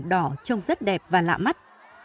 đỏ trông rất đẹp và lạ mắt